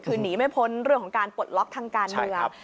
คือหนีไม่พ้นเรื่องของการปลดล็อกทางการเมือง